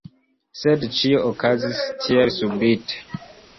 Sed ĉio okazis tielsubite.